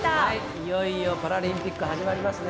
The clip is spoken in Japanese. いよいよパラリンピック始まりますね。